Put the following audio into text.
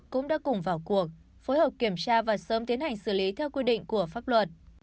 cũng đã cùng vào cuộc phối hợp kiểm tra và sớm tiến hành xử lý theo quy định của pháp luật